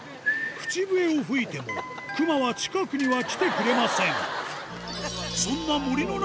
口笛を吹いても熊は近くには来てくれません。